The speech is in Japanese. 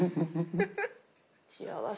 幸せ。